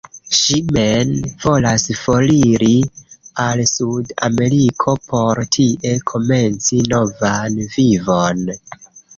Ŝi men volas foriri al Sud-Ameriko por tie komenci novan vivon.